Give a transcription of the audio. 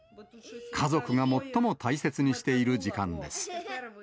家族が最も大切にしている時間です。